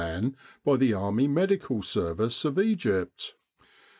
man by the Army Medical Service of Egypt.